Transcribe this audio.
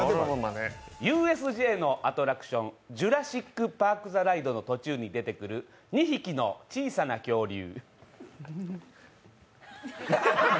ＵＳＪのアトラクション、ジュラシックパークザライドの途中に出てくる２匹の小さな恐竜。